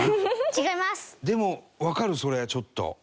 でもわかるそれちょっと。